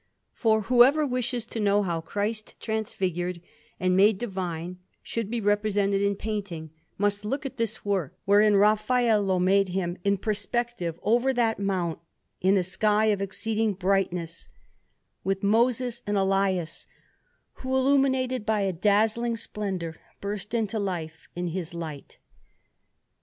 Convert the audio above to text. For whoever wishes to know how Christ Transfigured and made Divine should be represented in painting, must look at this work, wherein Raffaello made Him in perspective over that mount, in a sky of exceeding brightness, with Moses and Elias, who, illumined by a dazzling splendour, burst into life in His light.